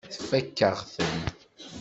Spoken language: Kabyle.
Tfakk-aɣ-ten.